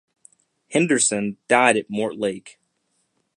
Henderson died at Mortlake.